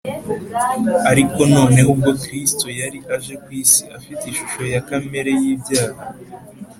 ; ariko noneho ubwo Kristo yari aje kw’isi “afite ishusho ya kamere y’ibyaha